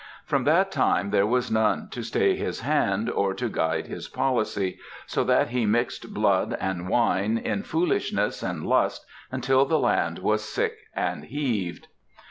From that time there was none to stay his hand or to guide his policy, so that he mixed blood and wine in foolishness and lust until the land was sick and heaved.